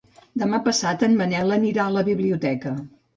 Demà passat en Manel anirà a la biblioteca.